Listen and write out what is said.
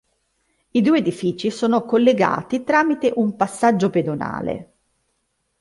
I due edifici sono collegati tramite un passaggio pedonale.